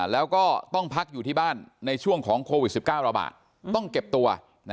แล้วก็ต้องพักอยู่ที่บ้านในช่วงของโควิด๑๙ระบาดต้องเก็บตัว